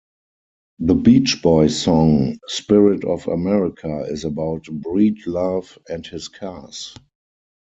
The Beach Boys song "Spirit of America" is about Breedlove and his cars.